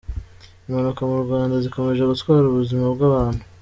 Impanuka mu Rwanda zikomeje gutwara ubuzima bw’abantu.